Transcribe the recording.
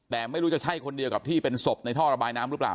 แต่ไม่รู้จะใช่คนเดียวกับที่เป็นศพในท่อระบายน้ำหรือเปล่า